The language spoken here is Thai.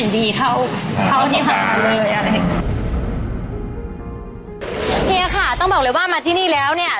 เดี๋ยวเราก็วัดแผลกสีลมนะคะ